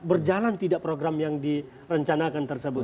berjalan tidak program yang direncanakan tersebut